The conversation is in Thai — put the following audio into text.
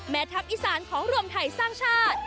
ทัพอีสานของรวมไทยสร้างชาติ